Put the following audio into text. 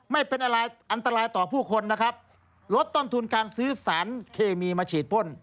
ไม่เป็นอะไรอันตรายต่อผู้คนนะครับลดต้นทุนการซื้อสารเคมีมาฉีดพ่น